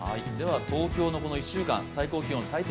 東京のこの１週間、最高気温、最低